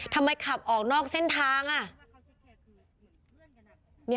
ทำไมขับออกนอกเส้นทางอ่ะ